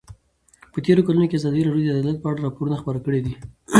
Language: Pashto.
په تېرو کلونو کې ازادي راډیو د عدالت په اړه راپورونه خپاره کړي دي.